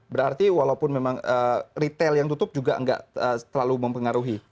berarti walaupun memang retail yang tutup juga nggak terlalu mempengaruhi